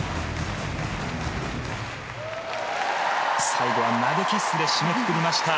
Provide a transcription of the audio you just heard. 最後は投げキスで締めくくりました。